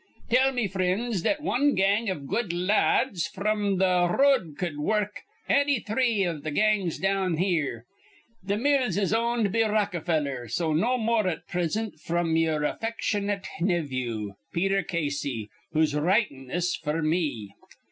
Tell me frinds that wan gang iv good la ads fr'm th' r road cud wurruk anny three iv th' gangs down here. Th' mills is owned be Rockefellar, so no more at prisint fr'm yer affecshunate nevvew, Peter Casey, who's writin' this f'r me.'"